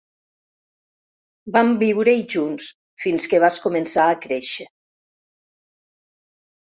Vam viure-hi junts fins que vas començar a créixer.